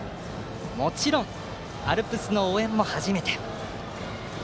もちろんアルプスの応援も初めて。